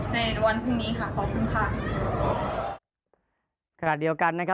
แล้วพรุ่งนี้ก็อย่าลืมให้กำลังใจเมย์อีกวันนะคะ